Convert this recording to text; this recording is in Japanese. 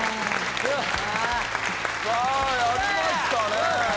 さあやりましたね。